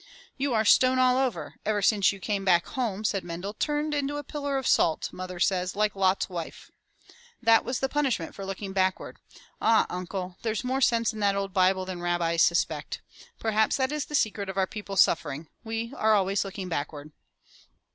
'*You are stone all over, ever since you came back home," said Mendel. Turned into a pillar of salt. Mother says, like Lot's wife!" That was the punishment for looking backward. Ah, uncle, there's more sense in that old Bible than the Rabbis suspect. Perhaps that is the secret of our people's suffering. We are always looking backward."